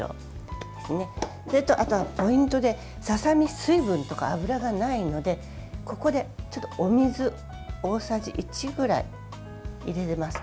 あとは、ポイントでささ身は水分とか脂がないのでここでお水を大さじ１ぐらい入れます。